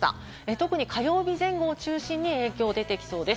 特に火曜日前後を中心に影響が出てきそうです。